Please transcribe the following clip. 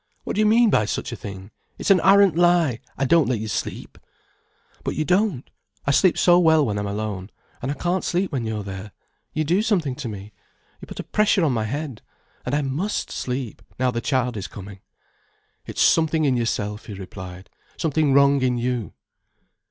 "What do you mean by such a thing? It's an arrant lie. I don't let you sleep——" "But you don't. I sleep so well when I'm alone. And I can't sleep when you're there. You do something to me, you put a pressure on my head. And I must sleep, now the child is coming." "It's something in yourself," he replied, "something wrong in you."